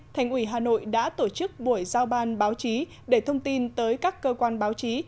thành ủy hà nội đã tổ chức buổi giao ban báo chí để thông tin tới các cơ quan báo chí